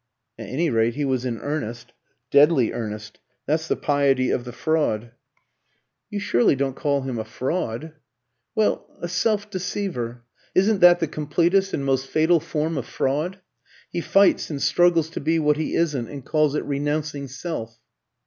"At any rate he was in earnest." "Deadly earnest. That's the piety of the fraud." "You surely don't call him a fraud?" "Well a self deceiver. Isn't that the completest and most fatal form of fraud? He fights and struggles to be what he isn't and calls it renouncing self."